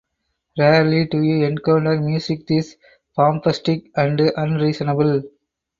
Rarely do you encounter music this bombastic and unreasonable.